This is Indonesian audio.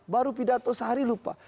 baru pidato sehari lupa